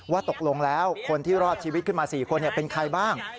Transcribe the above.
ว่าตกลงแล้วคนที่รอดชีวิตขึ้นมา๔คนเป็นใครบ้าง